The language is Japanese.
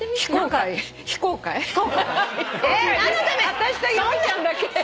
私と由美ちゃんだけ。